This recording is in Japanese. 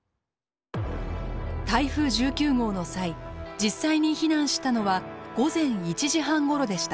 台風１９号の際実際に避難したのは午前１時半ごろでした。